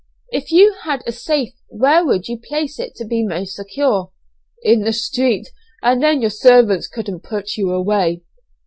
"If you had a safe where would you place it to be most secure?" "In the street, and then your servants couldn't put you away."